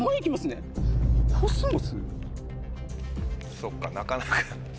そっかなかなか。